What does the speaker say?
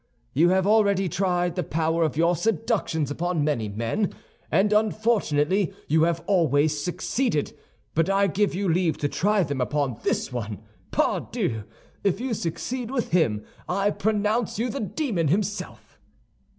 You have already tried the power of your seductions upon many men, and unfortunately you have always succeeded; but I give you leave to try them upon this one. Pardieu! if you succeed with him, I pronounce you the demon himself."